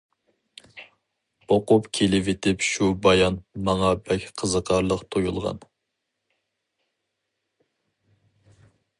ئوقۇپ كېلىۋېتىپ شۇ بايان ماڭا بەك قىزىقارلىق تۇيۇلغان.